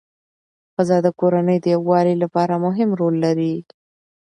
ښځه د کورنۍ د یووالي لپاره مهم رول لري